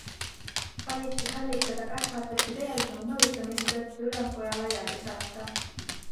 Valitsusallikad aga ähvardasid eelnõu mõjutamise tõttu ülemkoja laiali saata.